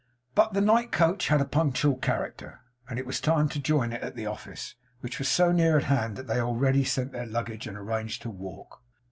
But the night coach had a punctual character, and it was time to join it at the office; which was so near at hand that they had already sent their luggage and arranged to walk.